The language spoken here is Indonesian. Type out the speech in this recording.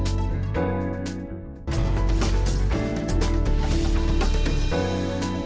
ini juga di pekanbaru